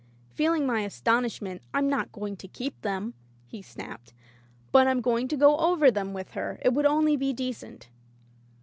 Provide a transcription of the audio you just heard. Feeling my astonishment — "Fm not going to keep them," he snapped, "but Fm going over them with her — ^it would be only decent."